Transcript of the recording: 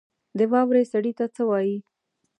د واورې سړي ته څه وايي؟